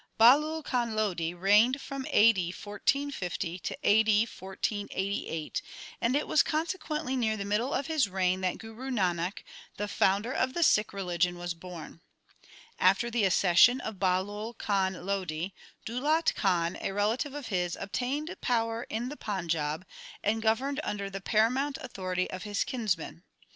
Bahlol Khan Lodi reigned from A. D. 1450 to A.D. 1488, and it was consequently near the middle of his reign that Guru Nanak, the founder of the Sikh religion, was born. After the accession of Bahlol Khan Lodi, Daulat Khan, a relative of his, obtained power in the Panjab, and governed under the paramount authority of his kinsman.